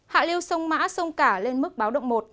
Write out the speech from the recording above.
hạ lưu sông mã sông cả lên mức báo động một